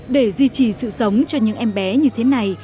để duy trì sự sống cho những em bé như thế này